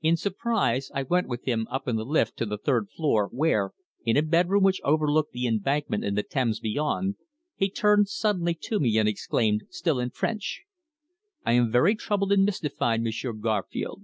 In surprise I went with him up in the lift to the third floor where, in a bedroom which overlooked the Embankment and the Thames beyond, he turned suddenly to me and exclaimed, still in French: "I am very troubled and mystified, Monsieur Garfield.